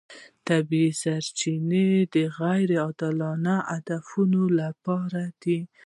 طبیعي سرچینې د غیر عادلانه اهدافو لپاره دي.